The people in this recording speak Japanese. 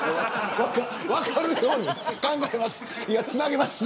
分かるように考えます。